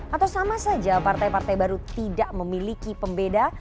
atau sama saja partai partai baru tidak memiliki pembeda